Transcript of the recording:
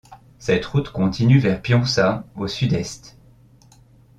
Cette route continue vers Pionsat au sud-est.